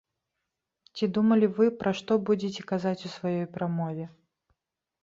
Ці думалі вы, пра што будзеце казаць у сваёй прамове?